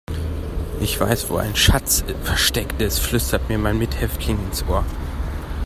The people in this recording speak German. "Ich weiß, wo ein Schatz versteckt ist", flüsterte mir mein Mithäftling ins Ohr.